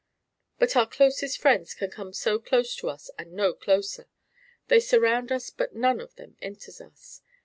But our closest friends can come so close to us and no closer; they surround us but none of them enters us.